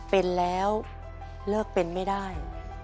เป็นแล้วเลิกเป็นไม่ได้